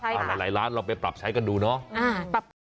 หลายร้านเราไปปรับใช้กันดูเนาะ